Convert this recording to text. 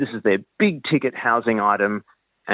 ini adalah item pengembangan besar mereka